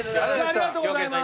ありがとうございます。